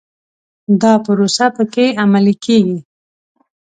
دا پروسه په کې عملي کېږي.